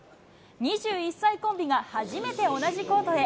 ２１歳コンビが初めて同じコートへ。